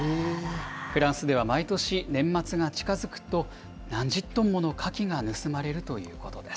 フランスでは毎年、年末が近づくと、何十トンものカキが盗まれるということです。